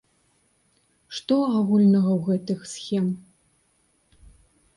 Што агульнага ў гэтых схем?